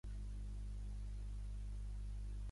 La bona és la Pizarnik.